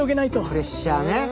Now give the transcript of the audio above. プレッシャーね！